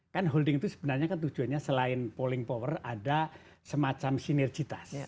kan holding itu sebenarnya kan tujuannya selain polling power ada semacam sinergitas